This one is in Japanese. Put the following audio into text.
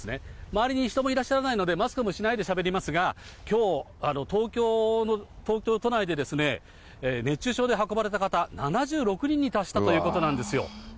周りに人もいらっしゃらないので、マスクもしないでしゃべりますが、きょう、東京都内で熱中症で運ばれた方、７６人に達したということなんですよ。